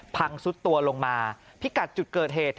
ซุดตัวลงมาพิกัดจุดเกิดเหตุ